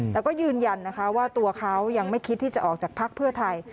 แต่ก็ยืนยันนะคะว่าตัวเขายังไม่คิดที่จะออกจากพักเพื่อไทย